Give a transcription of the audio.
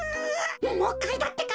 もういっかいだってか。